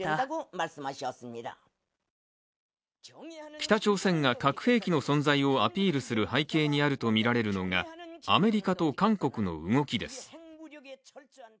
北朝鮮が核兵器の存在をアピールする背景にあるとみられるのがアメリカと韓国の動きです。